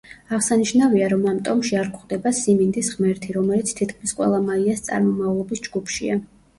აღსანიშნავია, რომ ამ ტომში არ გვხვდება სიმინდის ღმერთი, რომელიც თითქმის ყველა მაიას წარმომავლობის ჯგუფშია.